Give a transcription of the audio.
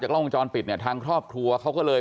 กล้องวงจรปิดเนี่ยทางครอบครัวเขาก็เลย